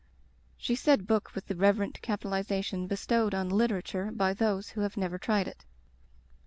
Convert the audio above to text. She said book with the reverent capital ization bestowed on literature by those who have never tried it.